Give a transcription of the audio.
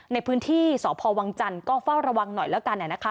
ในพื้นที่สพวังจันทร์ก็เฝ้าระวังหน่อยแล้วกัน